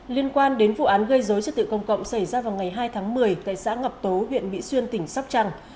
liên quan đến vụ án gây dối trật tự công cộng xảy ra vào ngày hai tháng một mươi tại xã ngọc tố huyện mỹ xuyên tỉnh sóc trăng